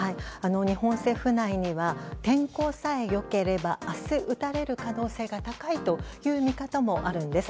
日本政府内には天候さえ良ければ明日、打たれる可能性が高いという見方もあるんです。